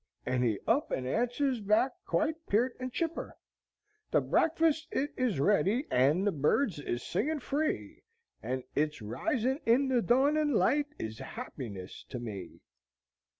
and he up and answers back quite peert and chipper, 'The breakfast it is ready, and the birds is singing free, and it's risin' in the dawnin' light is happiness to me!'